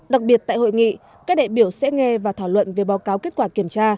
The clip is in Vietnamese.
đặc biệt tại hội nghị các đại biểu sẽ nghe và thảo luận về báo cáo kết quả kiểm tra